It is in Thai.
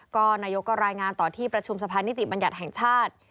ก็นายกก็รายงานต่อที่ประชุมสะพานนิติบัญญัติแห่งชาติ